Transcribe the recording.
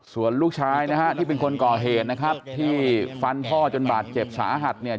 ส่วนลูกชายนะฮะที่เป็นคนก่อเหตุนะครับที่ฟันพ่อจนบาดเจ็บสาหัสเนี่ย